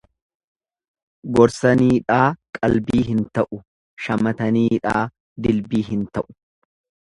Gorsaniidhaa qalbii hin ta'u, shamataniidhaa dilbii hin ta'u.